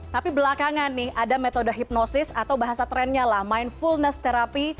tapi belakangan nih ada metode hipnosis atau bahasa trennya lah mindfulness terapi